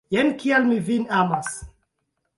Jen kial mi vin amas!